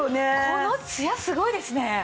このツヤすごいですね。